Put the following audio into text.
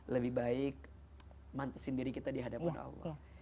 lebih baik mantesin diri kita dihadapan allah